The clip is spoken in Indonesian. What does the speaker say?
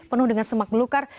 penuh dengan semak belukar